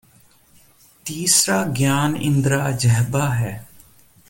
ਤੀਸਰਾ ਗਿਆਨ ਇੰਦਰਾ ਜਿਹਬਾ ਹੈ